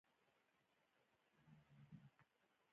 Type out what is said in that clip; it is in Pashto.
چې پلار يعنې څه؟؟!